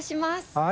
はい。